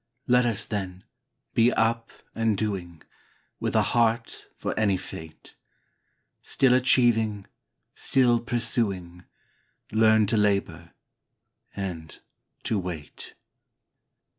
Let us, then, be up and doing, With a heart for any fate ; Still achieving, still pursuing, Learn to labor and to wait.